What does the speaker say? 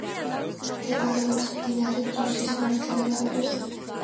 მდებარეობს მდინარე ძუსის მარჯვენა ნაპირზე.